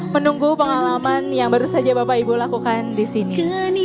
menunggu pengalaman yang baru saja bapak ibu lakukan di sini